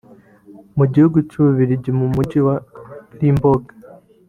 Mu gihugu cy’u Bubiligi mu Mujyi wa Limbourg